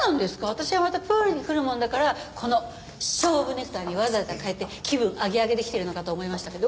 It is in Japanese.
私はまたプールに来るもんだからこの勝負ネクタイにわざわざ替えて気分アゲアゲで来てるのかと思いましたけど。